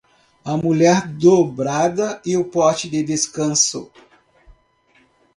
A mulher dobrada e o pote de descanso.